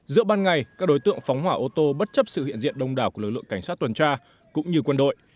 giữa ban ngày các đối tượng phóng hỏa ô tô bất chấp sự hiện diện đông đảo của lực lượng cảnh sát tuần tra cũng như quân đội